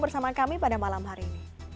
beri dukungan di kolom komentar